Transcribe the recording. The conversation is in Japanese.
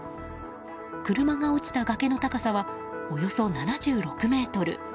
車が落ちた崖の高さはおよそ７６ｍ。